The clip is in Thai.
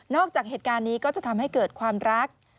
จากเหตุการณ์นี้ก็จะทำให้เกิดความรัก